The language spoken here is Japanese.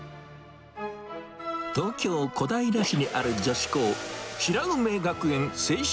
東京・小平市にある女子高、白梅学園清修